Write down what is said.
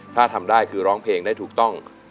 ถ้าทำได้คือร้องเพลงได้ถูกต้อง